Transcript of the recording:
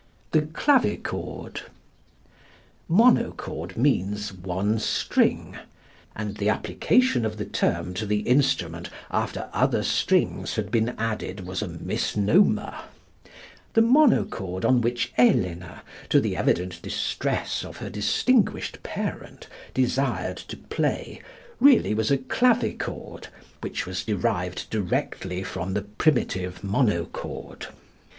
The Clavichord. Monochord means "one string," and the application of the term to the instrument after other strings had been added was a misnomer. The monochord on which Elena, to the evident distress of her distinguished parent, desired to play, really was a clavichord, which was derived directly from the primitive monochord.